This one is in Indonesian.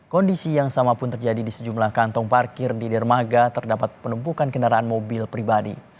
kondisi yang sama pun terjadi di sejumlah kantong parkir di dermaga terdapat penumpukan kendaraan mobil pribadi